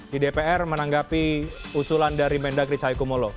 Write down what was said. di dpr menanggapi usulan dari mendagri cahayu kumolo